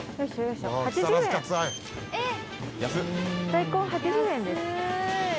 大根８０円です。